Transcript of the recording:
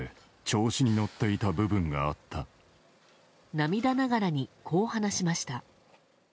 涙ながらにこう話しました。